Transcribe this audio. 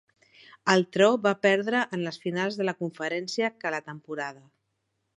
El tro va perdre en les finals de la conferència que la temporada.